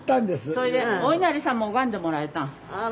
それでおいなりさんも拝んでもらえた。